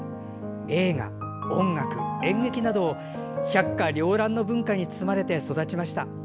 映画、音楽、演劇など百花りょう乱の文化に包まれて育ちました。